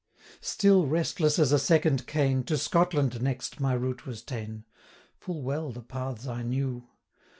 'Still restless as a second Cain, To Scotland next my route was ta'en, 210 Full well the paths I knew.